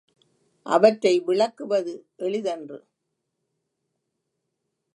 அவற்றை விளக்குவது எளிதன்று.